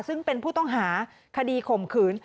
ซึ่งเป็นผู้ต้องหาคดีข่มขืน